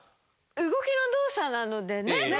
動きの動作なのでね。